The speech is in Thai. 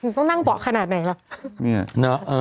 ต้องนั่งเบาะขนาดไหนล่ะ